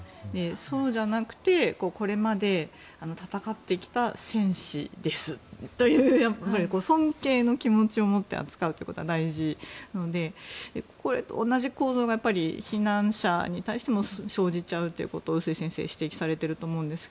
そうじゃなくて、これまで戦ってきた戦士ですという尊敬の気持ちを持って扱うということが大事でこれと同じ構造が避難者に対しても生じちゃうということを碓井先生は指摘していると思います。